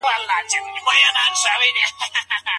آیا په کور کي زده کړه له ښوونځي څخه ډېره هوسا ده؟